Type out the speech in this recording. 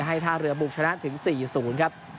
ท่าเรือบุกชนะถึง๔๐ครับ